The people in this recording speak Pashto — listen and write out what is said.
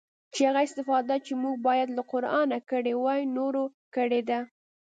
چې هغه استفاده چې بايد موږ له قرانه کړې واى نورو کړې ده.